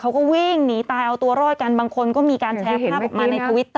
เขาก็วิ่งหนีตายเอาตัวรอดกันบางคนก็มีการแชร์ภาพออกมาในทวิตเต